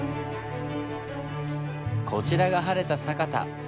こちらが晴れた酒田！